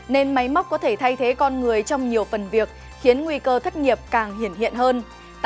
nên máy móc có thể thay thế con người trong nhiều phần việc khiến nguy cơ thất nghiệp càng hiển hiện hơn